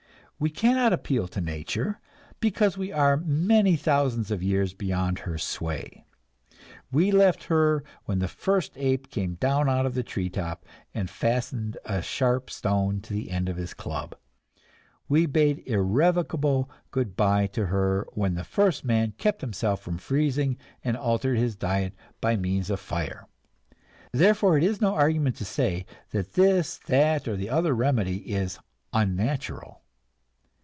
We cannot appeal to nature, because we are many thousands of years beyond her sway. We left her when the first ape came down from the treetop and fastened a sharp stone in the end of his club; we bade irrevocable good bye to her when the first man kept himself from freezing and altered his diet by means of fire. Therefore, it is no argument to say that this, that, or the other remedy is "unnatural."